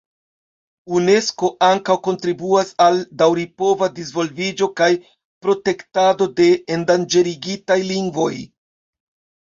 Unesko ankaŭ kontribuas al daŭripova disvolviĝo kaj protektado de endanĝerigitaj lingvoj.